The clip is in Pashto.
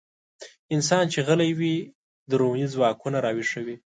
انسان چې غلی وي، دروني ځواکونه راويښوي.